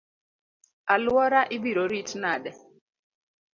Aluora ibiro rit nade?